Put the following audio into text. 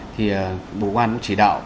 thì bộ quan cũng chỉ đạo